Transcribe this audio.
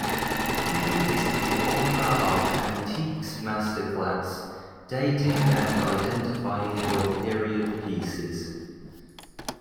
He is the author of "Antiques Masterclass: dating and identifying your period pieces".